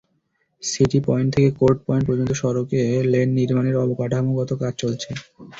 City point থেকে court point পর্যন্ত সড়কে লেন নির্মাণের অবকাঠামোগত কাজ চলছে।